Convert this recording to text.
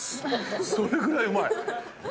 それぐらいうまい。